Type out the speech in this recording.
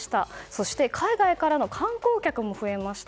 そして海外からの観光客も増えました。